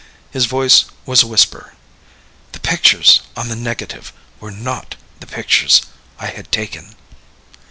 His voice was a whisper. "The pictures on the negative were NOT the pictures I had taken."